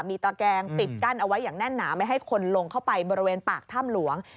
มีตะแกงปิดกั้นเอาไว้อย่างแน่นหนาไม่ให้คนลงเข้าไปบริเวณปากถ้ำหลวง